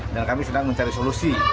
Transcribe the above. dan kami sedang mencari solusi